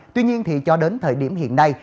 tuy nhiên thì cho đến thời điểm hiện nay